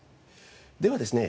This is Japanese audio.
ではですね